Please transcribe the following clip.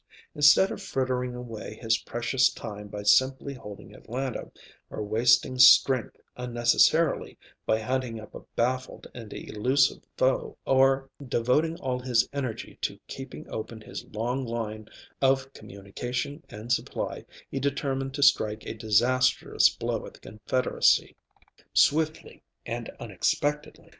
Instead of frittering away his precious time by simply holding Atlanta, or wasting strength unnecessarily by hunting up a baffled and elusive foe, or devoting all his energy to keeping open his long line of communication and supply, he determined to strike a disastrous blow at the Confederacy, swiftly and unexpectedly.